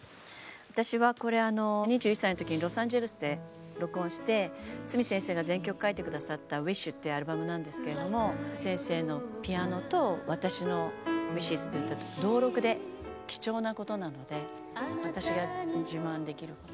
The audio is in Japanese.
私はこれ２１歳の時にロサンゼルスで録音して筒美先生が全曲書いて下さった「ＷＩＳＨ」ってアルバムなんですけれども先生のピアノと私の「ＷＩＳＨＥＳ」っていう歌同録で貴重なことなので私が自慢できること。